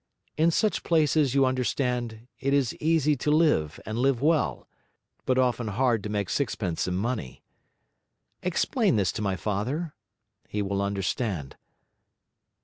In such places, you understand, it is easy to live, and live well, but often hard to make sixpence in money. Explain this to my father, he will understand.